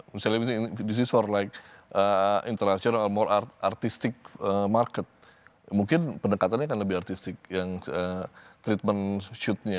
misalnya ini untuk market internasional yang lebih artistik mungkin pendekatannya akan lebih artistik yang treatment shootnya